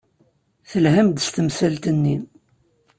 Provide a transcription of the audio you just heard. Telham-d s temsalt-nni.